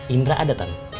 indra ada tan